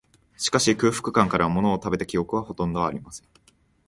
しかし、空腹感から、ものを食べた記憶は、ほとんどありません